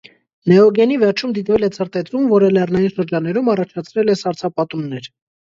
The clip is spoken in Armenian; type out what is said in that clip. Նեոգենի վերջում դիտվել է ցրտեցում, որը լեռնային շրջաններում առաջացրել է սառցապատումներ։